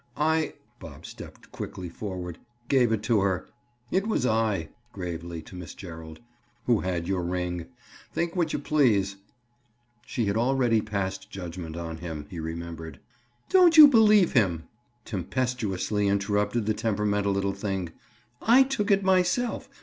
"I"—Bob stepped quickly forward—"gave it to her. It was I," gravely to Miss Gerald, "who had your ring. Think what you please." She had already passed judgment on him, he remembered. "Don't you believe him," tempestuously interrupted the temperamental little thing. "I took it myself.